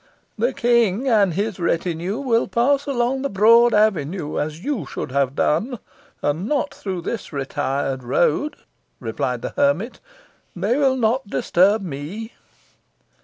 "The king and his retinue will pass along the broad avenue, as you should have done, and not through this retired road," replied the hermit. "They will not disturb me."